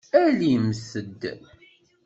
Alimt-d!